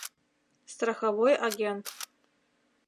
Страховой агент...